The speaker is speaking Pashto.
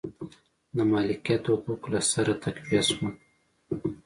د مالکیت حقوق له سره تقویه شول.